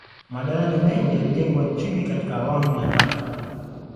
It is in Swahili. madaraja mengi yalijengwa nchini katika awamu ya tatu